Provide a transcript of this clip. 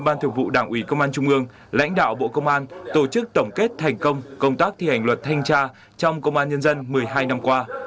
ban thường vụ đảng ủy công an trung ương lãnh đạo bộ công an tổ chức tổng kết thành công công tác thi hành luật thanh tra trong công an nhân dân một mươi hai năm qua